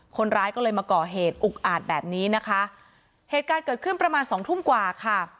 คนร้ายก็เลยมาก่อเหตุอุกอาจแบบนี้นะคะเหตุการณ์เกิดขึ้นประมาณสองทุ่มกว่าค่ะ